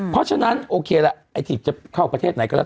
เพราะฉะนั้นโอเคละไอ้ทีฟจะเข้าประเทศไหนก็แล้ว